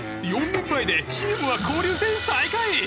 ４連敗でチームは交流戦最下位。